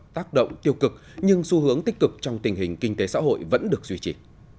tác động tiêu cực nhưng xu hướng tích cực trong tình hình kinh tế xã hội vẫn được duy trì